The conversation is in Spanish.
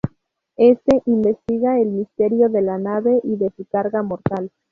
Éste investiga el misterio de la nave y de su carga mortal.